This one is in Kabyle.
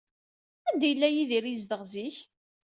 Anda ay yella Yidir yezdeɣ zik?